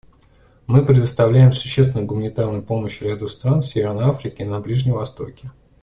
Мы предоставляем существенную гуманитарную помощь ряду стран в Северной Африке и на Ближнем Востоке.